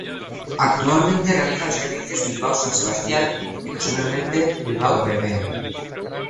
Actualmente realizan servicios Bilbao-San Sebastián y ocasionalmente, Bilbao-Bermeo.